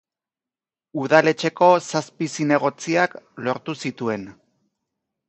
Udaletxeko zazpi zinegotziak lortu zituen.